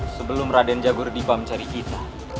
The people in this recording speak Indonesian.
sebelum raden jagur dipam cari kita